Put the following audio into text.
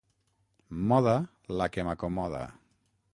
Moda, la que m'acomoda.